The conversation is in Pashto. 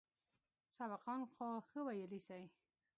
سبقان خو ښه ويلى سئ.